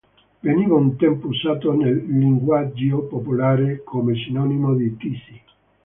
Veniva un tempo usato nel linguaggio popolare come sinonimo di tisi.